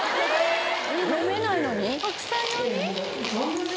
飲めないのに？